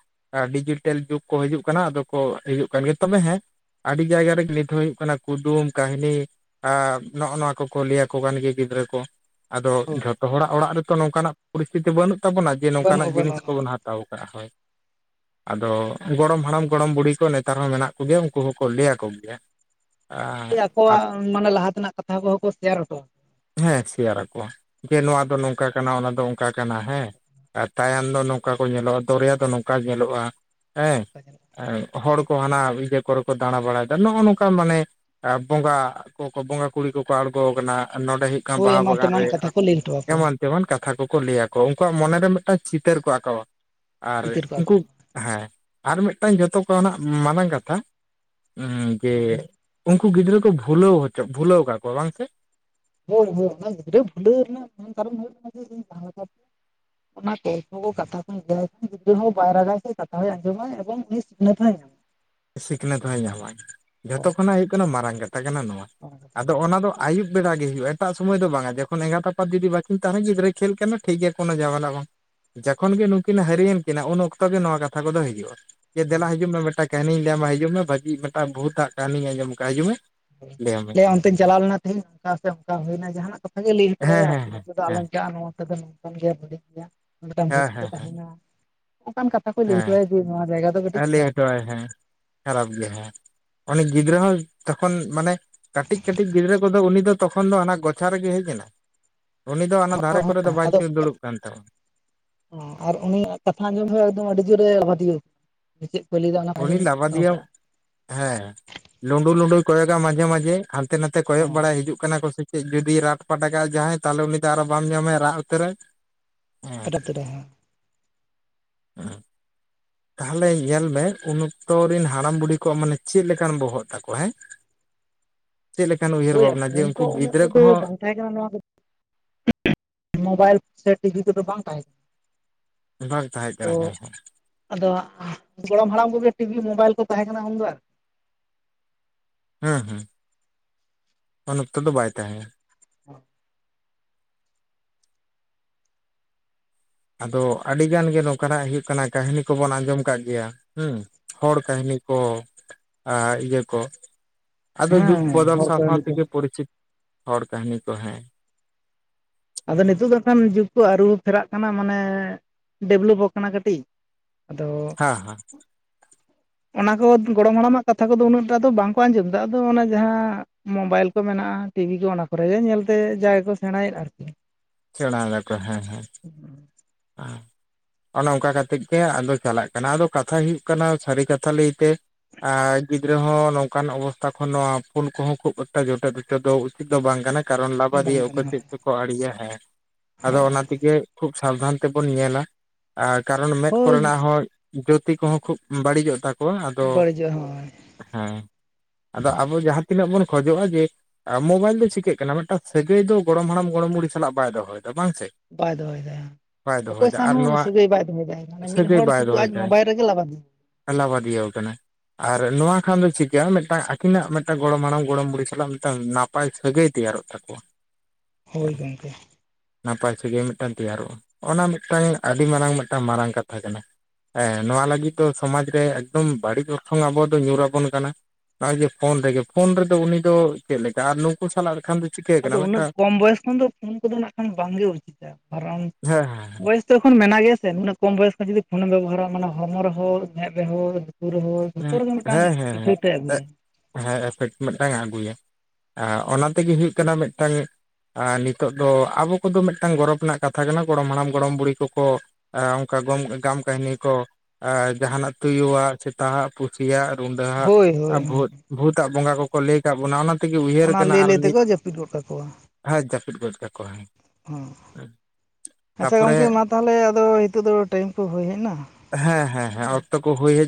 ᱟᱹᱰᱤ ᱡᱩᱴᱤᱞ ᱡᱩᱜᱽ ᱠᱚ ᱦᱤᱡᱩᱜ ᱠᱟᱱᱟ ᱟᱫᱚ ᱠᱚ ᱦᱤᱡᱩᱜ ᱠᱟᱱ ᱜᱮᱭᱟ ᱛᱚᱵᱮ ᱦᱮᱸ ᱟᱹᱰᱤ ᱡᱟᱭᱜᱟ ᱨᱮᱜᱮ ᱱᱤᱛ ᱦᱚᱸ ᱦᱩᱭᱩᱜ ᱠᱟᱱᱟ ᱠᱩᱫᱩᱢ ᱠᱟᱹᱦᱱᱤ ᱟᱨ ᱱᱚᱜᱼᱚ ᱱᱚᱣᱟ ᱠᱚᱠᱚ ᱞᱟᱹᱭᱟᱠᱚ ᱠᱟᱱ ᱜᱮᱭᱟ ᱜᱤᱫᱽᱨᱟᱹ ᱠᱚ ᱟᱫᱚ ᱦᱳᱭ ᱡᱷᱚᱛᱚ ᱦᱚᱲᱟᱜ ᱚᱲᱟᱜ ᱨᱮᱛᱚ ᱱᱚᱝᱠᱟᱱᱟᱜ ᱯᱚᱨᱤᱥᱛᱤᱛᱤ ᱵᱟᱹᱱᱩᱜ ᱛᱟᱵᱚᱱᱟ ᱡᱮ ᱱᱚᱝᱠᱟᱱᱟᱜ ᱵᱟᱹᱱᱩᱜᱼᱟ ᱡᱤᱱᱤᱥ ᱵᱟᱹᱱᱩᱜᱼᱟ ᱠᱚᱵᱚᱱ ᱦᱟ ᱦᱟᱛᱟᱣ ᱟᱠᱟᱫ ᱦᱳᱭ ᱟᱫᱚ ᱜᱚᱲᱚᱢ-ᱦᱟᱲᱟᱢ ᱜᱚᱲᱚᱢ-ᱵᱩᱰᱦᱤ ᱠᱚ ᱱᱮᱛᱟᱨ ᱦᱚᱸ ᱢᱮᱱᱟᱜ ᱠᱚ ᱜᱮᱭᱟ ᱩᱱᱠᱩ ᱦᱚᱸᱠᱚ ᱞᱟᱹᱭ ᱟᱠᱚ ᱜᱮᱭᱟ [unintelligible] ᱟᱨ ᱟᱠᱚᱣᱟᱜ ᱢᱟᱱᱮ ᱞᱟᱦᱟ ᱛᱮᱱᱟᱜ ᱠᱟᱛᱷᱟ [unintelligible] ᱦᱚᱸᱠᱚ ᱠᱚ ᱥᱮᱭᱟᱨ ᱚᱴᱚ ᱦᱮᱸ ᱥᱮᱭᱟᱨᱟᱠᱚ ᱡᱮ ᱱᱚᱣᱟ ᱫᱚ ᱱᱚᱝᱠᱟ ᱠᱟᱱᱟ ᱚᱱᱟ ᱫᱚ ᱚᱝᱠᱟ ᱠᱟᱱᱟ ᱦᱮᱸ ᱟᱨ ᱛᱟᱭᱟᱱ ᱫᱚ ᱱᱚᱝᱠᱟ ᱠᱚ ᱧᱮᱞᱚᱜᱼᱟ ᱫᱚᱨᱭᱟ ᱫᱚ ᱱᱚᱝᱠᱟ ᱧᱮᱞᱚᱜᱼᱟ ᱦᱮᱸ ᱟᱠᱚᱣᱟ ᱦᱚᱲ ᱦᱟᱱᱟ ᱤᱭᱟᱹ ᱠᱚᱨᱮ ᱠᱚ ᱫᱟᱬᱟ ᱵᱟᱲᱟᱭᱮᱫᱟ ᱱᱚᱜᱼᱚᱸᱭ ᱱᱚᱝᱠᱟ ᱢᱟᱱᱮ ᱵᱚᱸᱜᱟ ᱠᱚᱠᱚ ᱵᱚᱸᱜᱟ ᱠᱩᱲᱤ ᱠᱚᱠᱚ ᱟᱬᱜᱚᱣᱟᱠᱟᱱᱟ ᱱᱚᱸᱰᱮ ᱦᱤᱡᱩᱜ ᱦᱳᱭ ᱵᱟᱦᱟ ᱮᱢᱟᱱ ᱵᱟᱜᱟᱱ ᱨᱮ ᱛᱮᱢᱟᱱ ᱠᱟᱛᱷᱟ ᱠᱚ ᱞᱟᱹᱭ ᱦᱚᱴᱚ ᱟᱠᱚᱣᱟ ᱮᱢᱟᱱ ᱛᱮᱢᱚᱱ ᱠᱟᱛᱷᱟ ᱠᱚᱠᱚ ᱞᱟᱹᱭᱟᱠᱚᱣᱟ ᱩᱱᱠᱩᱣᱟᱜ ᱢᱚᱱᱮᱨᱮ ᱢᱤᱫᱴᱟᱝ ᱪᱤᱛᱟᱹᱨ ᱠᱚ ᱟᱸᱠᱟᱣᱟ ᱟᱨ ᱛᱤᱛᱤᱨ ᱠᱚᱣᱟ ᱠᱚ ᱩᱱᱠᱩ ᱦᱮᱸ ᱟᱨ ᱢᱤᱫᱴᱟᱱ ᱡᱚᱛᱚ ᱠᱷᱚᱱᱟᱜ ᱢᱟᱨᱟᱝ ᱠᱟᱛᱷᱟ ᱡᱮ ᱦᱳᱭ ᱩᱝᱠᱩ ᱜᱤᱫᱽᱨᱟᱹ ᱠᱚ ᱵᱷᱩᱞᱟᱹᱣ ᱦᱚᱪᱚ ᱵᱷᱩᱞᱟᱹᱣ ᱠᱟᱫ ᱠᱚᱣᱟ ᱵᱟᱝ ᱥᱮ ᱦᱳᱭ ᱦᱳᱭ ᱚᱱᱟ ᱜᱤᱫᱽᱨᱟᱹ ᱵᱩᱞᱟᱹᱣ ᱨᱮᱱᱟᱜ ᱠᱟᱨᱚᱱ ᱦᱩᱭᱩᱜ ᱡᱮ ᱤᱧ [unintelligible] ᱚᱱᱟᱛᱮ ᱠᱚ ᱠᱟᱛᱷᱟ ᱠᱚᱧ [unintelligible] ᱜᱤᱫᱽᱨᱟᱹ ᱦᱚᱸ ᱵᱟᱭ ᱨᱟᱜᱟ ᱥᱮ ᱠᱟᱛᱷᱟᱭ ᱟᱸᱡᱚᱢᱟ ᱮᱵᱚᱝ ᱩᱱᱤ ᱥᱤᱠᱷᱱᱟᱹᱛ ᱦᱚᱸᱭ [unintelligible] [inaudible] ᱥᱤᱠᱷᱱᱟᱹᱛ ᱦᱚᱸᱭ ᱧᱟᱢᱟ ᱡᱷᱚᱛᱚ ᱠᱷᱚᱱᱟᱜ ᱦᱩᱭᱩᱜ ᱠᱟᱱᱟ ᱢᱟᱨᱟᱝ ᱠᱟᱛᱷᱟ ᱠᱟᱱᱟ ᱱᱚᱣᱟ ᱚᱱᱟ ᱠᱟᱛᱷᱟ ᱟᱫᱚ ᱚᱱᱟ ᱫᱚ ᱟᱹᱭᱩᱵ ᱵᱮᱲᱟ ᱜᱮ ᱦᱩᱭᱩᱜᱼᱟ᱾ ᱮᱴᱟᱜ ᱥᱚᱢᱚᱭ ᱫᱚ ᱵᱟᱝ ᱡᱚᱠᱷᱚᱱ ᱮᱸᱜᱟᱛ- ᱟᱯᱟᱛ ᱡᱩᱫᱤ ᱵᱟᱠᱤᱱ ᱛᱟᱦᱮᱱᱟ᱾ ᱜᱤᱫᱽᱨᱟᱹᱭ ᱠᱷᱮᱞ ᱠᱟᱱᱟ ᱴᱷᱤᱠ ᱜᱮᱭᱟ, ᱠᱳᱱᱳ ᱡᱷᱟᱢᱮᱞᱟ ᱵᱟᱝ ᱡᱚᱠᱷᱚᱱ ᱜᱮ ᱱᱩᱠᱤᱱ ᱦᱟᱨᱤᱭᱮᱱ ᱠᱤᱱᱟ ᱩᱱ ᱚᱠᱛᱚ ᱜᱮ ᱱᱚᱣᱟ ᱠᱟᱛᱷᱟ ᱠᱚᱫᱚ ᱦᱤᱡᱩᱜᱼᱟ᱾ ᱡᱮ ᱫᱮᱞᱟ ᱦᱤᱡᱩᱜ ᱢᱮ ᱢᱤᱫᱴᱟᱝ ᱠᱟᱹᱦᱱᱤᱧ ᱞᱟᱹᱭᱟᱢᱢᱟ ᱦᱤᱡᱩᱜ ᱢᱮ ᱵᱷᱟᱹᱜᱤ ᱢᱤᱫᱴᱟᱝ ᱵᱷᱩᱛᱟᱜ ᱠᱟᱹᱦᱱᱤᱧ ᱟᱸᱚᱢ ᱠᱟᱜ ᱦᱤᱡᱩᱜ ᱢᱮ᱾ ᱞᱟᱹᱭᱟᱢ ᱢᱮ ᱮ ᱚᱱᱛᱮᱧ ᱪᱟᱞᱟᱣ ᱞᱮᱱᱟ᱾ ᱛᱮᱦᱤᱧᱚᱱᱠᱟ ᱥᱮ ᱚᱱᱠᱟ ᱦᱩᱭᱱᱟ ᱡᱟᱦᱟᱱᱟᱜ ᱠᱟᱛᱷᱟ ᱜᱮ ᱞᱟᱹᱭ ᱠᱮᱫᱟᱭ ᱦᱮᱸ ᱦᱮᱸ ᱟᱨᱠᱤ᱾ ᱦᱮᱸ ᱚᱱᱛᱮ ᱫᱚ ᱦᱮᱸ ᱟᱞᱚᱢ ᱪᱟᱜᱼᱟ ᱱᱚᱣᱟ ᱛᱮᱫᱚ ᱞᱚᱢ [unintelligible] ᱜᱮᱭᱟ ᱦᱮᱸ ᱵᱷᱩᱛ ᱠᱚ ᱦᱮᱸ ᱛᱟᱸᱦᱮᱱᱟ ᱚᱱᱠᱟᱱ ᱠᱟᱛᱷᱟ ᱠᱚ ᱞᱟᱹᱭ ᱦᱮᱸ ᱦᱚᱪᱚᱭᱟ ᱡᱮ ᱱᱚᱣᱟ ᱡᱟᱭᱜᱟ ᱫᱚ ᱠᱟᱹᱴᱤᱡ ᱞᱟᱹᱭ ᱠᱷᱟᱨᱟᱯ ᱜᱮᱭᱟ ᱦᱚᱴᱚᱣᱟᱭ ᱦᱮᱸ ᱠᱷᱟᱨᱟᱯ ᱜᱮ ᱦᱮᱸ ᱩᱱᱤ ᱜᱤᱫᱽᱨᱟᱹ ᱦᱚᱸ ᱛᱚᱠᱷᱚᱱ ᱢᱟᱱᱮ ᱠᱟᱹᱴᱤᱡ-ᱠᱟᱹᱴᱤᱡ ᱜᱤᱫᱽᱨᱟᱹ ᱠᱚᱫᱚ ᱩᱱᱤ ᱫᱚ ᱛᱚᱠᱷᱚᱱ ᱫᱚ ᱦᱟᱱᱟ ᱜᱚᱪᱷᱟ ᱨᱮᱜᱮ ᱦᱮᱡ ᱮᱱᱟ᱾ ᱩᱱᱤ ᱫᱚ ᱚᱱᱟ ᱫᱷᱟᱨᱮ ᱠᱚᱨᱮ ᱫᱚ ᱵᱟᱭ ᱟᱫᱚ ᱫᱩᱲᱩᱵ ᱠᱟᱱ ᱛᱟᱵᱚᱱᱟ᱾ ᱟᱨ ᱩᱱᱤᱭᱟᱜ ᱠᱟᱛᱷᱟ ᱟᱸᱡᱚᱢ ᱫᱚ ᱮᱠᱫᱚᱢ ᱟᱹᱰᱤ ᱡᱳᱨᱮ ᱨᱟᱜᱤᱭᱟᱜ ᱪᱮᱫ ᱠᱚ ᱞᱟᱹᱭ ᱮᱫᱟ, ᱚᱱᱟ ᱩᱱᱤ ᱞᱟᱵᱟᱫᱤᱭᱤᱭᱟᱹ ᱦᱮᱸ ᱞᱩᱸᱰᱩ-ᱞᱩᱸᱰᱩᱭ ᱠᱚᱭᱚᱜᱟ ᱢᱟᱡᱷᱮ ᱢᱟᱡᱷᱮ ᱟᱨ ᱦᱟᱱᱛᱮ- ᱱᱟᱛᱮ ᱠᱚᱭᱚᱜ ᱦᱚᱸ ᱵᱟᱲᱟᱭ ᱦᱤᱡᱩᱜ ᱠᱟᱱᱟ ᱠᱚ ᱥᱮ ᱪᱮᱫ ᱡᱩᱫᱤ ᱨᱟᱴ-ᱯᱟᱴᱟᱜᱟᱜ ᱡᱟᱦᱟᱸᱭ ᱛᱟᱦᱚᱞᱮ ᱩᱱᱤ ᱫᱚ ᱟᱨᱚ ᱵᱟᱢ ᱧᱟᱢᱟᱭ ᱨᱟᱜ ᱩᱛᱟᱹᱨᱟ᱾ ᱦᱮᱸ ᱯᱚᱴᱚᱢ ᱛᱮ ᱦᱮᱸ ᱦᱮᱸ ᱛᱟᱦᱞᱮ ᱧᱮᱞ ᱢᱮ ᱩᱱ ᱚᱠᱛᱚᱨ ᱨᱮᱱ ᱦᱟᱲᱟᱢ ᱵᱩᱲᱦᱤ ᱠᱚᱣᱟᱜ ᱢᱟᱱᱮ ᱪᱮᱫ ᱞᱮᱠᱟᱱ ᱵᱚᱦᱚᱜ ᱛᱟᱠᱚᱣᱟ ᱦᱮᱸ ᱪᱮᱫᱞᱮᱠᱟᱱ ᱩᱭᱦᱟᱹᱨ ᱦᱳᱭ ᱵᱷᱟᱵᱱᱟ ᱡᱮ ᱯᱷᱳᱱ ᱩᱝᱠᱩ ᱛᱚ ᱩᱱᱟᱹᱜ ᱜᱤᱫᱽᱨᱟᱹ ᱛᱮᱫᱚ ᱠᱚᱦᱚᱸ ᱵᱟᱝ ᱛᱟᱦᱮᱸ ᱠᱟᱱᱟ᱾ ᱱᱚᱣᱟ ᱠᱚᱫᱚ ᱢᱳᱵᱟᱭᱤᱞ ᱥᱮ ᱴᱤᱵᱷᱤ ᱠᱚᱫᱚ ᱵᱟᱝ ᱛᱟᱦᱮᱸ ᱠᱟᱱᱟ᱾ ᱩᱱ ᱵᱟᱝ ᱛᱟᱦᱮᱸ ᱛᱚ ᱠᱟᱱᱟ ᱦᱮᱸ ᱦᱮᱸ᱾ ᱟᱫᱚ ᱜᱚᱲᱚᱢ ᱦᱟᱲᱟᱢ ᱠᱚᱜᱮ ᱴᱤᱵᱷᱤ ᱢᱳᱚᱵᱟᱭᱤᱞ ᱠᱚ ᱛᱟᱦᱮᱸ ᱠᱟᱱᱟ ᱩᱱᱫᱚ ᱟᱨ ᱦᱩᱸ ᱦᱩᱸ ᱩᱱ ᱚᱠᱛᱚ ᱫᱚ ᱵᱟᱭ ᱛᱟᱦᱮᱸᱭᱟ᱾ [inaudible] ᱟᱫᱚ ᱟᱹᱰᱤᱜᱟᱱ ᱜᱮ ᱱᱚᱝᱠᱟᱱᱟᱜ ᱦᱩᱭᱩᱜ ᱠᱟᱱᱟ ᱠᱟᱹᱦᱱᱤ ᱠᱚᱵᱚᱱ ᱟᱸᱡᱚᱢ ᱠᱟᱜ ᱜᱮᱭᱟ, ᱦᱩᱸ ᱦᱚᱲ ᱠᱟᱹᱦᱱᱤ ᱠᱚ ᱮᱸᱜ ᱤᱭᱟᱹ ᱠᱚ ᱟᱫᱚ ᱡᱩᱜᱽ ᱦᱮᱸ ᱵᱚᱫᱚᱞ ᱦᱚᱲ ᱥᱟᱶ ᱥᱟᱶ ᱠᱟᱹᱦᱱᱤ ᱠᱚ ᱱᱤᱛᱚᱜ ᱛᱮᱜᱮ ᱯᱚᱨᱤᱪᱤᱛ ᱦᱚᱲ ᱠᱟᱹᱦᱱᱤ ᱠᱚ ᱦᱮᱸ ᱟᱫᱚ ᱱᱤᱛᱳᱜ ᱫᱚ ᱦᱟᱸᱜ ᱠᱷᱟᱱ ᱡᱩᱜᱽ ᱠᱚ ᱟᱹᱨᱩ ᱯᱷᱮᱨᱟᱜ ᱠᱟᱱᱟ ᱢᱟᱱᱮ ᱰᱮᱵᱷᱞᱚᱯᱚᱜ ᱟᱠᱟᱱᱟ ᱠᱟᱹᱴᱤᱡ ᱟᱫᱚ ᱦᱮᱸ [inaudible] ᱚᱱᱟ ᱠᱚ ᱜᱚᱲᱚᱢ ᱦᱟᱲᱟᱢᱟᱜ ᱠᱟᱛᱷᱟ ᱠᱚᱫᱚ ᱩᱱᱟᱹᱜ ᱴᱟ ᱟ ᱫᱚ ᱵᱟᱝᱠᱚ ᱟᱸᱡᱚᱢᱫᱟ᱾ ᱟᱫᱚ ᱚᱱᱟ ᱡᱟᱦᱟᱸ ᱢᱳᱵᱟᱭᱤᱞ ᱠᱚ ᱢᱮᱱᱟᱜᱼᱟ, ᱴᱤᱵᱷᱤ ᱠᱚ ᱚᱱᱟ ᱠᱚᱨᱮᱜᱮ ᱧᱮᱞᱛᱮ ᱡᱟᱜᱮᱠᱚ ᱥᱮᱬᱟᱭᱮᱫ ᱟᱨᱠᱤ᱾ ᱥᱮᱬᱟᱭ ᱫᱟᱠᱚ ᱦᱮᱸ ᱦᱮᱸ ᱦᱩᱸ ᱚ ᱚᱱᱮ ᱚᱝᱠᱟ ᱠᱟᱛᱮᱜ ᱜᱮ ᱟᱫᱚ ᱪᱟᱞᱟᱜ ᱠᱟᱱᱟ ᱟᱫᱚ ᱠᱟᱛᱷᱟ ᱦᱩᱭᱩᱜ ᱠᱟᱱᱟ ᱥᱟᱹᱨᱤ ᱠᱟᱛᱷᱟ ᱞᱟᱹᱭᱛᱮ ᱮᱸ ᱜᱤᱫᱽᱨᱟᱹ ᱦᱚᱸ ᱱᱚᱝᱠᱟᱱ ᱚᱵᱚᱥᱛᱟ ᱠᱷᱚᱱ ᱱᱚᱣᱟ ᱯᱷᱳᱱ ᱠᱚᱦᱚᱸ ᱠᱷᱩᱵ ᱮᱠᱴᱟ ᱡᱚᱴᱮᱫ ᱦᱚᱴᱮᱫ ᱫᱚ ᱩᱪᱤᱛ ᱫᱚ ᱵᱟᱝ ᱠᱟᱱᱟ᱾ ᱠᱟᱨᱚᱱ ᱵᱟᱝ ᱞᱟᱵᱟᱫᱤᱭᱟᱹ ᱚᱠᱚᱭ ᱠᱟᱱᱟ ᱪᱮᱫ ᱠᱚᱠᱚ ᱟᱲᱮᱭᱟ ᱦᱮᱸ ᱟᱫᱚ ᱦᱳᱭ ᱚᱱᱟ ᱛᱮᱜᱮ ᱠᱷᱩᱵ ᱥᱟᱵᱫᱷᱟᱱ ᱛᱮᱵᱚᱱ ᱧᱮᱞᱟ, ᱟ ᱠᱟᱨᱚᱱ ᱢᱮᱫ ᱦᱳᱭ ᱠᱚᱨᱮᱱᱟᱜ ᱦᱚᱸ ᱡᱳᱛᱤ ᱠᱚᱦᱚᱸ ᱠᱷᱩᱵ ᱵᱟᱹᱲᱤᱡᱚᱜ ᱛᱟᱠᱚᱣᱟ ᱟᱫᱚ, ᱵᱟᱹᱲᱤᱡᱚᱜ ᱦᱳᱭ ᱦᱮᱸ᱾ ᱟᱫᱚ ᱟᱵᱚ ᱡᱟᱦᱟᱸ ᱛᱤᱱᱟᱹᱜ ᱵᱚᱱ ᱠᱷᱚᱡᱚᱜᱼᱟ ᱡᱮ ᱟᱨ ᱢᱳᱵᱟᱭᱤᱞ ᱫᱚ ᱪᱤᱠᱟᱹᱜ ᱠᱟᱱᱟ ᱢᱤᱫᱴᱟᱝ ᱥᱟᱹᱜᱟᱹᱭ ᱫᱚ ᱜᱚᱲᱚᱢ ᱦᱟᱲᱟᱢ ᱜᱚᱲᱚᱢ ᱵᱩᱲᱦᱤ ᱥᱟᱞᱟᱜ ᱵᱟᱭ ᱫᱚᱦᱚᱭᱮᱫᱟ ᱵᱟᱝ ᱥᱮ? ᱵᱟᱭ ᱫᱚᱦᱚᱭᱮᱫᱟ ᱦᱟᱸᱜ ᱵᱟᱭ ᱚᱠᱚᱭ ᱫᱚᱦᱚᱭᱮᱫᱟ ᱥᱟᱶ ᱟᱨ ᱱᱚᱣᱟ ᱦᱚᱸ ᱥᱟᱹᱜᱟᱹᱭ ᱵᱟᱭ ᱫᱩᱦᱚᱭᱮᱫᱟ ᱢᱟᱱᱮ ᱢᱤᱫ ᱦᱚᱲᱩᱫᱩ ᱟᱡᱽ ᱢᱳᱟᱭᱤᱞ ᱨᱮᱜᱮ ᱞᱟᱜᱟᱣ ᱦᱮᱱᱟᱭᱟ ᱟᱞᱟᱵᱟᱫᱤᱭᱟᱹᱣ ᱠᱟᱱᱟ᱾ ᱟᱨ ᱱᱚᱣᱟ ᱠᱷᱟᱱ ᱫᱚ ᱪᱤᱠ ᱜᱮᱭᱟ ᱢᱤᱫᱴᱟᱝ ᱟᱹᱠᱤᱱᱟᱜ ᱢᱤᱫᱴᱟᱝ ᱜᱚᱲᱚᱢ ᱦᱟᱲᱟᱢ ᱜᱚᱲᱚᱢ ᱵᱩᱲᱦᱤ ᱥᱟᱞᱟᱜ ᱢᱤᱫᱴᱟᱝ ᱱᱟᱯ ᱱᱟᱯᱟᱭ ᱥᱟᱹᱜᱟᱹᱭ ᱛᱮᱭᱟᱨᱚᱜ ᱛᱟᱠᱚᱣᱟ᱾ ᱦᱳᱭ ᱜᱚᱝᱠᱮ᱾ ᱱᱟᱯᱟᱭ ᱥᱟᱹᱜᱟᱭ ᱢᱤᱫᱴᱟᱝ ᱛᱮᱭᱟᱨᱚᱜᱼᱟ, ᱚᱱᱟ ᱢᱤᱫᱴᱟᱝ ᱟᱹᱰᱤ ᱢᱟᱨᱟᱝ ᱢᱤᱫᱴᱟᱝ ᱢᱟᱨᱟᱝ ᱠᱟᱛᱷᱟ ᱠᱟᱱᱟ᱾ ᱮᱸ ᱱᱚᱣᱟ ᱞᱟᱹᱜᱤᱫ ᱫᱚ ᱥᱚᱢᱟᱡ ᱨᱮ ᱮᱠᱫᱚᱢ ᱵᱟᱹᱲᱤᱡ ᱚᱨᱥᱚᱝ ᱟᱵᱚ ᱫᱚ ᱧᱩᱨ ᱟᱵᱚᱱ ᱠᱟᱱᱟ᱾ ᱱᱚᱭ-ᱚᱭ ᱡᱮ ᱯᱷᱳᱱ ᱨᱮᱜᱮ ᱯᱷᱳᱱ ᱨᱮᱫᱚ ᱩᱱᱤ ᱫᱚ ᱪᱮᱫ ᱞᱮᱠᱟ ᱟᱨ ᱱᱩᱠᱩ ᱥᱟᱞᱟᱜ ᱞᱮᱠᱷᱟᱱ ᱫᱚ ᱪᱤᱠᱟᱹ ᱠᱟᱱᱟ ᱟᱫᱚ ᱩᱱᱟᱹᱜ ᱢᱤᱫᱴᱟᱝ ᱠᱚᱢ ᱵᱚᱭᱮᱥ ᱠᱷᱚᱱ ᱫᱚ ᱯᱷᱳᱱ ᱠᱚᱫᱚ ᱱᱟᱜ ᱠᱷᱟᱱ ᱵᱟᱝᱜᱮ ᱩᱪᱤᱛᱟ ᱠᱟᱨᱚᱱ ᱦᱮᱸ ᱦᱮᱸ ᱵᱚᱭᱮᱥ ᱫᱚ ᱮᱠᱷᱚᱱ ᱢᱮᱱᱟᱜ ᱜᱮᱭᱟ ᱥᱮ, ᱩᱱᱟᱹᱜ ᱠᱚᱢ ᱵᱚᱭᱮᱥ ᱠᱷᱚᱱ ᱡᱩᱫᱤ ᱯᱷᱳᱱ ᱮᱢ ᱵᱮᱵᱚᱦᱟᱨᱟ ᱢᱟᱱᱮ ᱦᱚᱲᱢᱚ ᱨᱮᱦᱚᱸ, ᱢᱮᱫ ᱨᱮᱦᱚᱸ [unintelligible] ᱨᱮᱦᱚᱸ ᱡᱚᱛᱚ ᱦᱮᱸ ᱨᱮᱜᱮ ᱢᱤᱫᱴᱟᱝ ᱦᱮᱸ ᱦᱮᱸ ᱤᱯᱷᱮᱠᱴᱮ ᱮᱜ ᱟᱹᱜᱩᱭᱟ᱾ ᱦᱮᱸ ᱮᱯᱷᱮᱠᱴ ᱢᱤᱫᱴᱟᱝ ᱮ ᱟᱹᱜᱩᱭᱟ, ᱚᱱᱟ ᱛᱮᱜᱮ ᱦᱩᱭᱩᱜ ᱠᱟᱱᱟ ᱢᱤᱫᱴᱟᱝ ᱟᱨ ᱱᱤᱛᱚᱜ ᱫᱚ ᱟᱵᱚ ᱠᱚᱫᱚ ᱢᱤᱫᱴᱟᱝ ᱜᱚᱨᱚᱵᱽ ᱨᱮᱱᱟᱜ ᱠᱟᱛᱷᱟ ᱠᱟᱱᱟ ᱾ᱜᱚᱲᱚᱢ ᱦᱟᱲᱟᱢ ᱜᱚᱲᱚᱢ ᱵᱩᱲᱦᱤ ᱠᱚᱠᱚ ᱚᱱᱠᱟ ᱜᱟᱢ ᱠᱟᱹᱦᱱᱤ ᱠᱚ, ᱡᱟᱦᱟᱱᱟᱜ ᱛᱩᱭᱩᱣᱟᱜ ᱥᱮᱛᱟ-ᱟᱜ ᱯᱩᱥᱤᱭᱟᱜ ᱨᱩᱰᱟᱹᱟᱜ ᱦᱳᱭ ᱦᱳᱭ ᱟᱨ ᱦᱳᱭ ᱵᱷᱩᱛ ᱵᱷᱩᱛᱟᱜ ᱵᱚᱸᱜᱟ ᱠᱚ ᱠᱚ ᱞᱟᱹᱭ ᱟᱠᱟᱫ ᱵᱚᱱᱟ ᱚᱱᱟ ᱛᱮᱜᱮ, ᱩᱭᱦᱟᱹᱨ ᱚᱱᱟ ᱠᱟᱱᱟ ᱞᱟᱹᱭ ᱟᱨ ᱞᱟᱹᱭ ᱱᱤᱛ ᱛᱮᱠᱚ ᱡᱟᱹᱯᱤᱫ ᱜᱚᱫ ᱠᱟᱠᱚᱣᱟ [inaudible] ᱡᱟᱹᱯᱤᱫ ᱜᱚᱫ ᱠᱟᱠᱚ ᱟᱭ᱾ ᱦᱮᱸ ᱟᱪᱪᱷᱟ ᱜᱚᱢᱠᱮ, ᱢᱟ ᱛᱟᱦᱚᱞᱮ ᱟᱫᱚ ᱱᱤᱛᱚᱜ ᱫᱚ ᱴᱟᱭᱤᱢ ᱠᱚ ᱦᱩᱭ ᱦᱮᱡ ᱱᱟ᱾ ᱦᱮᱸ ᱦᱮᱸ ᱦᱮᱸ ᱚᱠᱛᱚ ᱠᱚ ᱦᱩᱭ